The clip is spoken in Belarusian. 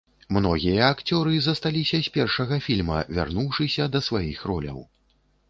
Многія акцёры засталіся з першага фільма, вярнуўшыся да сваіх роляў.